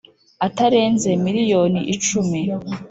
Atarenze miliyoni icumi